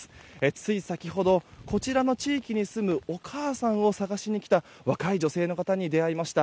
つい先ほどこちらの地域に住むお母さんを捜しに来た若い女性の方に出会いました。